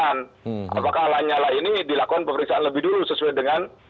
apakah lanyala ini dilakukan pemeriksaan lebih dulu sesuai dengan